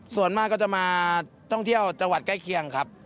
ส่วนมากก็จะมาท่องเที่ยวจังหวัดใกล้เคียงครับ